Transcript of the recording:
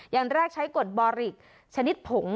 อย่างแรกใช้กฎบอริกชนิดผง